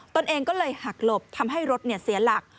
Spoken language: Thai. ตัวเองก็เลยหักหลบทำให้รถเสียหลัก